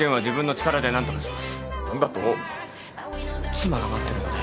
妻が待ってるので。